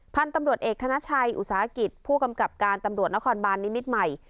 พันธุ์ตำรวจเอกธนชัยอุตสาหกิจผู้กำกับการตำรวจนครบานนิมิตรใหม่